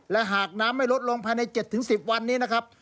และหากน้ำไม่ลดลงภายใน๗๑๐วันนี้นะครับ